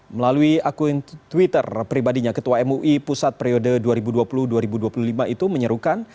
melalui akun twitter pribadinya ketua mui pusat periode dua ribu dua puluh dua ribu dua puluh lima itu menyerukan